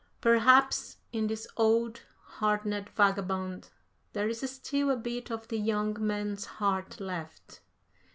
"Perhaps in this old, hardened vagabond there is still a bit of the young man's heart left.